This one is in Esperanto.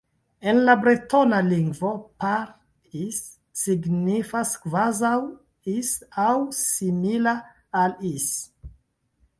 En la bretona lingvo "Par Is" signifas "kvazaŭ Is" aŭ "simila al Is".